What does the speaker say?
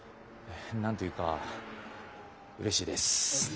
何と言うかうれしいです。